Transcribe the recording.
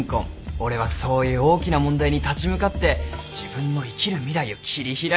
俺はそういう大きな問題に立ち向かって自分の生きる未来を切り開きたいんだよ。